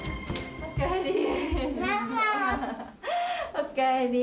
おかえり。